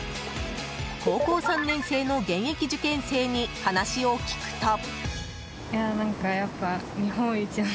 高校３年生の現役受験生に話を聞くと。